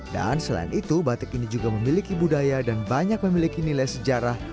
dan selain itu batik ini juga memiliki budaya dan banyak memiliki nilai sejarah